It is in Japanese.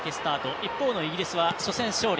一方のイギリスは初戦勝利。